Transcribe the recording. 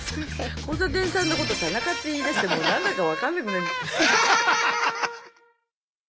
交差点さんのこと「田中」って言いだしてもう何だか分かんなくなっちゃった。